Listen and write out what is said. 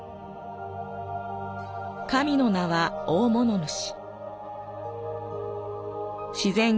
神の名は大物主。